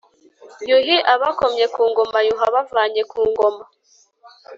yuhi abakomye ku ngoma: yuhi abavanye ku ngoma